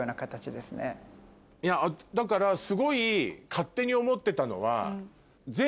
だからすごい勝手に思ってたのは。